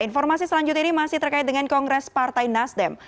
informasi selanjutnya ini masih terkait dengan kongres partai nasdem